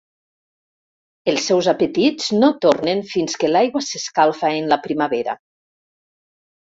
Els seus apetits no tornen fins que l'aigua s'escalfa en la primavera.